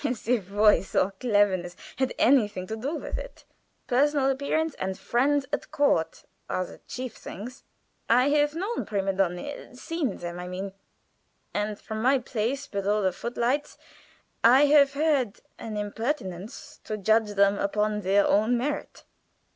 "As if voice or cleverness had anything to do with it. Personal appearance and friends at court are the chief things. I have known prime donne seen them, I mean and from my place below the foot lights I have had the impertinence to judge them upon their own merits.